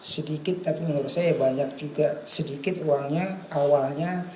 sedikit tapi menurut saya banyak juga sedikit uangnya awalnya